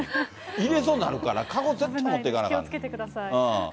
入れそうになるから、かご持って気をつけてください。